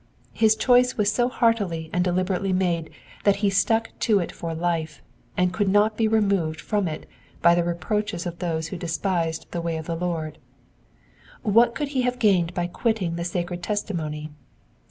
His choice was so heartily and de Uberately made that he stuck to it for life, and could not be removed from it by the reproaches of those who despised the way of the Lord. What could he have gained by quitting the sacred testimony?